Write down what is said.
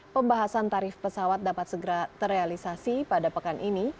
pembahasan tarif pesawat dapat segera terrealisasi pada pekan ini